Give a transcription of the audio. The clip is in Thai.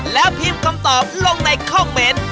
แล้วพิมพ์คำตอบลงในคอมเมนต์